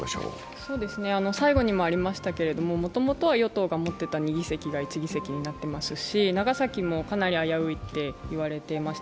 もともとは与党が持っていた２議席が１議席になってますし、長崎もかなり危ういと言われていました。